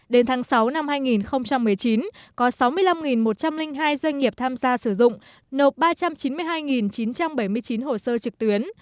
đến tháng sáu năm hai nghìn một mươi chín có sáu mươi năm một trăm linh hai doanh nghiệp tham gia sử dụng nộp ba trăm chín mươi hai chín trăm bảy mươi chín hồ sơ trực tuyến